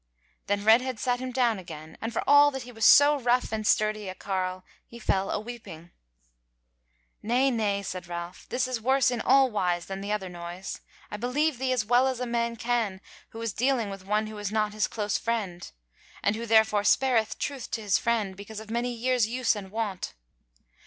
Then Redhead sat him down again, and for all that he was so rough and sturdy a carle he fell a weeping. "Nay, nay," said Ralph, "this is worse in all wise than the other noise. I believe thee as well as a man can who is dealing with one who is not his close friend, and who therefore spareth truth to his friend because of many years use and wont.